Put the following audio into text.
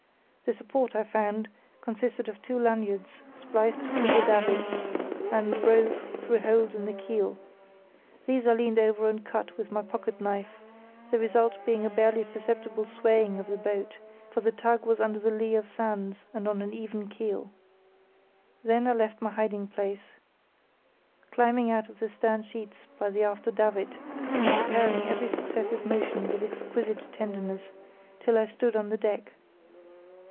The support, I found, consisted of two lanyards spliced to the davits and rove through holes in the keel. These I leaned over and cut with my pocket knife; the result being a barely perceptible swaying of the boat, for the tug was under the lee of sands and on an even keel. Then I left my hiding place, climbing out of the stern sheets by the after davit, and preparing every successive motion with exquisite tenderness, till I stood on the deck.